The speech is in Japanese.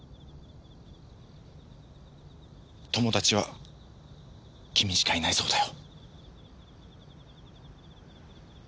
友達は君しかいないそうだよ。